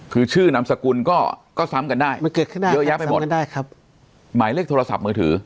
คือชื่อนามสกุลก็ซ้ำกันได้เยอะแยะไปหมดหมายเลขโทรศัพท์มือถือ